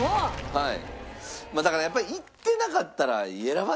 はい。